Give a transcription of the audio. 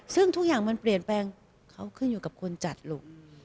ซึ่งทุกอย่างมันเปลี่ยนแปลงเขาขึ้นอยู่กับคนจัดลูก